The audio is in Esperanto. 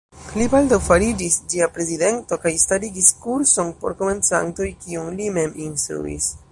Li baldaŭ fariĝis ĝia prezidento kaj starigis kurson por komencantoj, kiun li mem instruis.